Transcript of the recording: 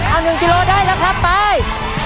เอา๑กิโลได้แล้วครับไป